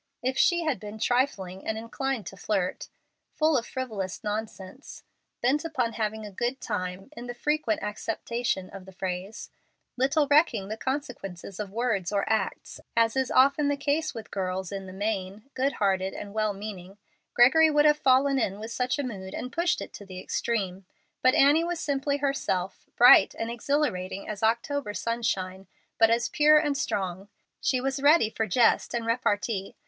If she had been trifling and inclined to flirt, full of frivolous nonsense, bent upon having a good time in the frequent acceptation of the phrase, little recking the consequences of words or acts, as is often the case with girls in the main good hearted and well meaning, Gregory would have fallen in with such a mood and pushed it to the extreme. But Annie was simply herself, bright and exhilarating as the October sunshine, but as pure and strong. She was ready for jest and repartee.